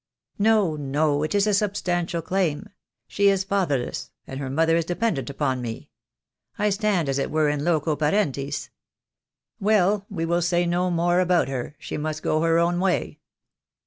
'' "No, no; it is a substantial claim. She is fatherless, and her mother is dependent upon me. I stand, as it were, in loco parentis. Well, we will say no more about her; she must go her own way.